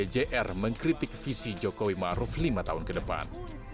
icgr mengkritik visi jokowi ma'ruf lima tahun ke depan